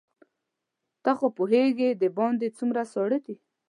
ته خو پوهېږې دباندې څومره ساړه دي.